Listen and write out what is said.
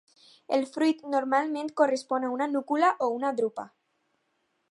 El fruit normalment correspon a una núcula o una drupa.